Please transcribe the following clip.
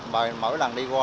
và mỗi lần đi qua